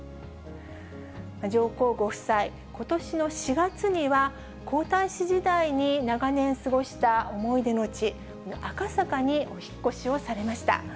上皇ご夫妻、ことしの４月には、皇太子時代に長年過ごした思い出の地、赤坂にお引っ越しをされました。